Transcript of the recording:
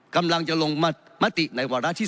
กำลังจะลงมติในวาระที่๒